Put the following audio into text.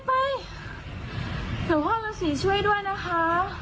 เดี๋ยวพ่อรัศนีช่วยด้วยนะคะ